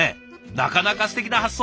なかなかすてきな発想。